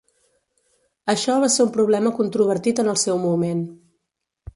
Això va ser un problema controvertit en el seu moment.